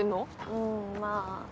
うんまぁ。